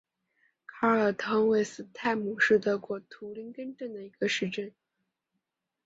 卡尔滕韦斯泰姆是德国图林根州的一个市镇。